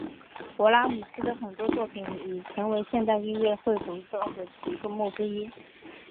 勃拉姆斯的很多作品已成为现代音乐会的主要曲目之一。